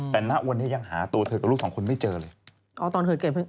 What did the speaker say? แต่ณวันนี้ยังหาตัวเธอกับลูกสองคนไม่เจอเลย